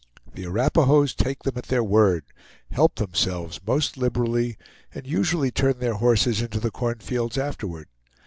The Arapahoes take them at their word, help themselves most liberally, and usually turn their horses into the cornfields afterward.